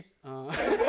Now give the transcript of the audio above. ハハハハ！